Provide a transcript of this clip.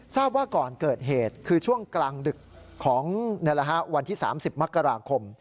ทราบว่าก่อนเกิดเหตุคือช่วงกลางดึกของวันที่๓๐มกราคม